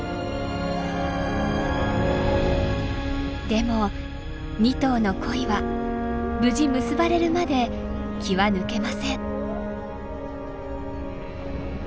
でも２頭の恋は無事結ばれるまで気は抜けません。